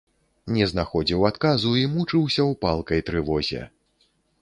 Не знаходзіў адказу і мучыўся ў палкай трывозе.